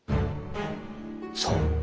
そう！